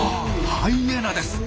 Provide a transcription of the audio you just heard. ハイエナです。